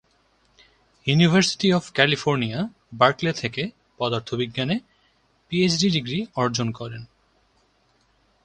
University of California, Berkeley থেকে পদার্থবিজ্ঞানে PhD degree অর্জন করেন।